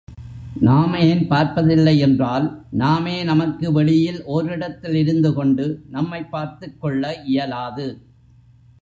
நாம் ஏன் பார்ப்பதில்லை என்றால், நாமே நமக்கு வெளியில் ஓரிடத்தில் இருந்து கொண்டு நம்மைப் பார்த்துக்கொள்ள இயலாது.